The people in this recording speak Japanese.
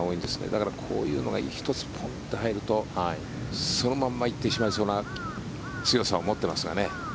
だから、こういうのが１つ、ポンッと入るとそのまま行ってしまいそうな強さを持っていますよね。